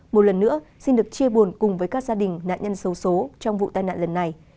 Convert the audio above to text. một lần nữa xin được chia buồn cùng với các gia đình nạn nhân sâu số trong vụ tai nạn lần này